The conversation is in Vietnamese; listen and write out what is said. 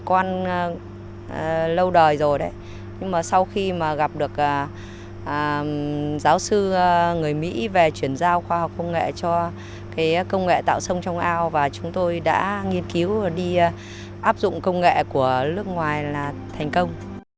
con lâu đời rồi đấy nhưng mà sau khi mà gặp được giáo sư người mỹ về chuyển giao khoa học công nghệ cho cái công nghệ tạo sông trong ao và chúng tôi đã nghiên cứu và đi áp dụng công nghệ của nước ngoài là thành công